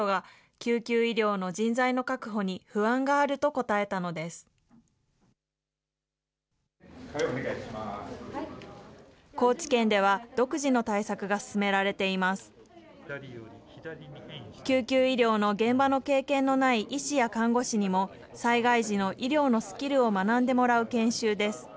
救急医療の現場の経験のない医師や看護師にも、災害時の医療のスキルを学んでもらう研修です。